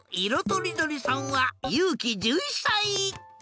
とりどりさんはゆうき１１さい。